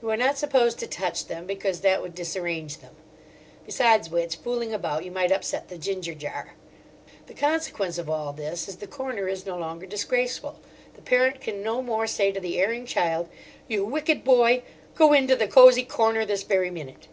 You are not supposed to touch them, because that would disarrange them. Besides which, fooling about, you might upset the ginger jar. The consequence of all this is the corner is no longer disgraceful. The parent can no more say to the erring child: "You wicked boy! Go into the cosy corner this very minute!"